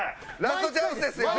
ラストチャンスですよ。